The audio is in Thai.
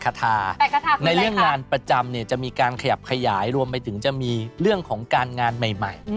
ในเรื่องงานประจำเนี่ยจะมีการขยับขยายรวมไปถึงจะมีเรื่องของการงานใหม่